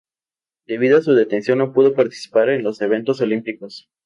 Debido a su detención no pudo participar de los eventos olímpicos.